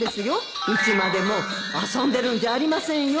いつまでも遊んでるんじゃありませんよ